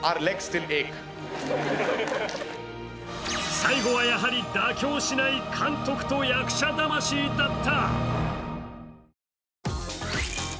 最後はやはり妥協しない監督と役者魂だった。